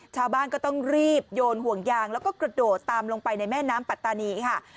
ชาวบ้านก็ต้องรีบโยนห่วงยางแล้วก็กระโดดตามลงไปในแม่น้ำปัตตานีค่ะ